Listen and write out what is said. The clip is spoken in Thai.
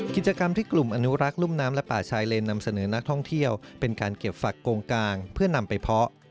กิจกรรมที่กลุ่มอนุรักษ์รุ่มน้ำและป่าชายเลนนำเสนอนักท่องเที่ยวเป็นการเก็บฝักโกงกางเพื่อนำไปเพาะ